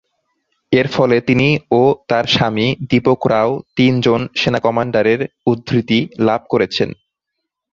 এর ফলে তিনি ও তার স্বামী দীপক রাও তিন জন সেনা কমান্ডারের উদ্ধৃতি লাভ করেছেন।